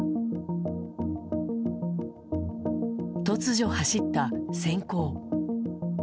突如走った閃光。